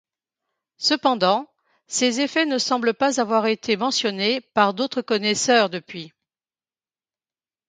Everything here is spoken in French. Cependant, ces effets ne semblent pas avoir été mentionnés par d'autres connaisseurs depuis.